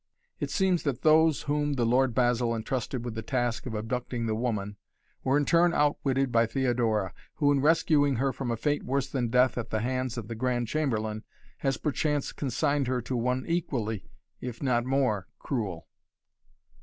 "It seems that those whom the Lord Basil entrusted with the task of abducting the woman were in turn outwitted by Theodora who, in rescuing her from a fate worse than death at the hands of the Grand Chamberlain, has perchance consigned her to one equally, if not more, cruel."